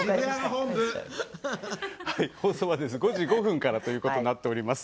放送は５時５分からということになっています。